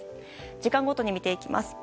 時間ごとに見ていきます。